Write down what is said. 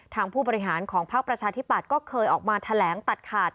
ผู้บริหารของพักประชาธิปัตย์ก็เคยออกมาแถลงตัดขาด